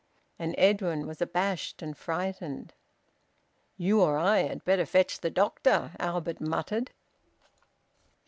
And Edwin was abashed and frightened. "You or I had better fetch th' doctor," Albert muttered.